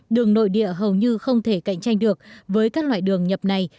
đường nội địa hầu như không thể cạnh tranh được với các loại đường nhập này